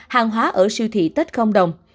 hàng hóa ở siêu thị tết không động